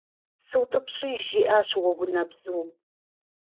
СутӀыпщыж, - жиӀащ Уэгунэбзум.